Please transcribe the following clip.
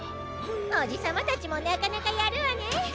おじさまたちもなかなかやるわね。